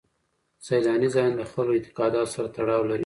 سیلاني ځایونه د خلکو له اعتقاداتو سره تړاو لري.